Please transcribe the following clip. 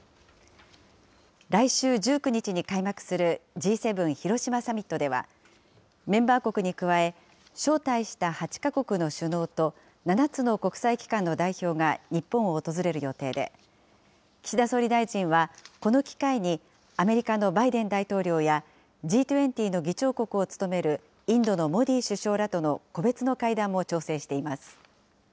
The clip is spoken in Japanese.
来週１９日に開幕するＧ７広島サミットでは、メンバー国に加え、招待した８か国の首脳と、７つの国際機関の代表が日本を訪れる予定で、岸田総理大臣は、この機会に、アメリカのバイデン大統領や、Ｇ２０の議長国を務めるインドのモディ首相らとの個別の会談も調整しています。